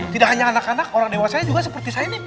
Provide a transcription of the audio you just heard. tidak hanya anak anak orang dewasanya juga seperti saya nih